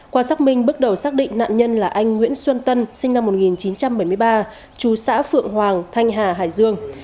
qua xác minh bước đầu xác định nạn nhân là anh nguyễn xuân tân sinh năm một nghìn chín trăm bảy mươi ba chú xã phượng hoàng thanh hà hải dương